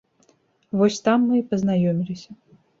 Вось там мы і пазнаёміліся.